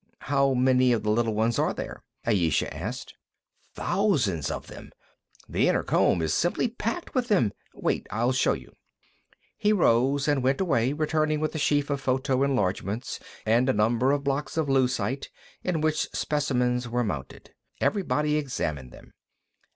"How many of the little ones are there?" Ayesha asked. "Thousands of them; the inner comb is simply packed with them. Wait; I'll show you." He rose and went away, returning with a sheaf of photo enlargements and a number of blocks of lucite in which specimens were mounted. Everybody examined them.